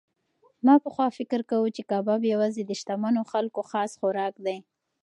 ما پخوا فکر کاوه چې کباب یوازې د شتمنو خلکو خاص خوراک دی.